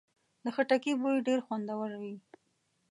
د خټکي بوی ډېر خوندور وي.